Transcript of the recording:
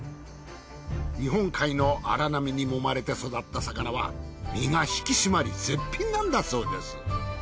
日本海の荒波にもまれて育った魚は身が引き締まり絶品なんだそうです。